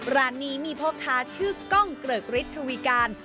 ร้านนี้มีพ่อค้าชื่อกล้องเกริกฤทธวีการ